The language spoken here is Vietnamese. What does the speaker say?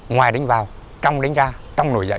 ngoài đánh vào trong đánh ra trong nổi dậy